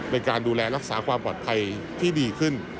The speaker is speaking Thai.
เป็นการดูแลรักษาความปลอดภัยที่ดีขึ้น